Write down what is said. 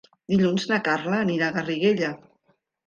Dilluns na Carla anirà a Garriguella.